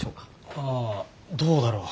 あどうだろう？